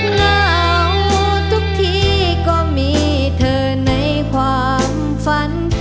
เหงาทุกทีก็มีเธอในความฝัน